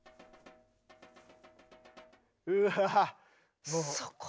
うわ！